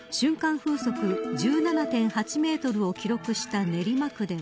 風速１７．８メートルを記録した練馬区では。